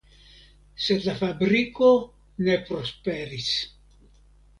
Sed la fabriko ne prosperis.